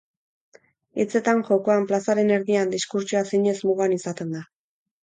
Hitzetan, jokoan, plazaren erdian, diskurtsoa zinez mugan izaten da.